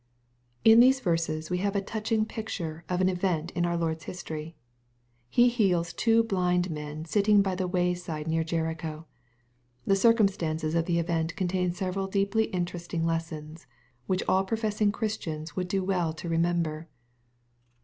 In these verses we have a touching picture of an event in our Lord's history. He heals two blind men sitting by the way side near Jericho. The circumstances of the event contain several deeply interesting lessons, which all professing Christians would do well to remember.